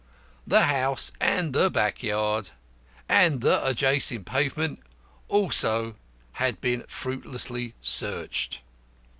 The house and the back yard, and the adjacent pavement, had also been fruitlessly searched.